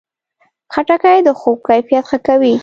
خټکی د خوب کیفیت ښه کوي.